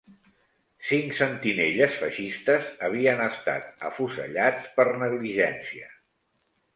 Cinc sentinelles feixistes havien estat afusellats per negligència.